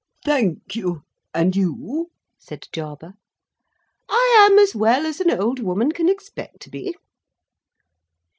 "Thank you. And you?" said Jarber. "I am as well as an old woman can expect to be."